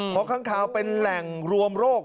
เพราะข้างคาวเป็นแหล่งรวมโรค